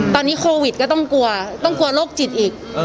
ตอนนี้โควิดอย่างนี้ก็ต้องกลัวโรคจิตอีก